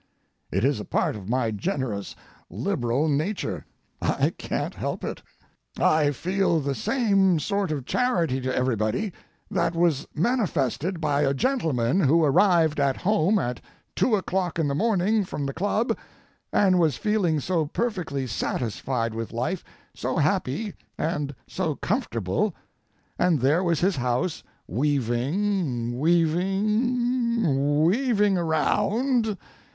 It is a part of my generous, liberal nature; I can't help it. I feel the same sort of charity to everybody that was manifested by a gentleman who arrived at home at two o'clock in the morning from the club and was feeling so perfectly satisfied with life, so happy, and so comfortable, and there was his house weaving, weaving, weaving around.